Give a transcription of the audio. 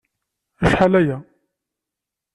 Acḥal-aya.